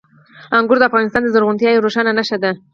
انګور د افغانستان د زرغونتیا یوه روښانه نښه ده.